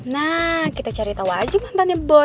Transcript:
nah kita cari tau aja mantannya boy